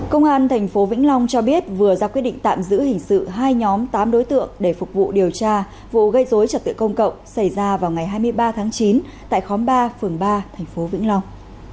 công an tp vĩnh long cho biết vừa ra quyết định tạm giữ hình sự hai nhóm tám đối tượng để phục vụ điều tra vụ gây dối trật tự công cộng xảy ra vào ngày hai mươi ba tháng chín tại khóm ba phường ba thành phố vĩnh long